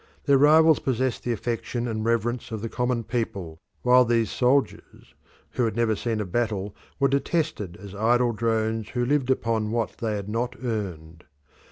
Their rivals possessed the affection and reverence of the common people, while these soldiers, who had never seen a battle, were detested as idle drones who lived upon what they had not earned.